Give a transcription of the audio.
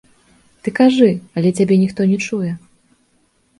Ты кажы, але цябе ніхто не чуе.